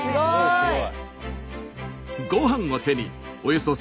すごい！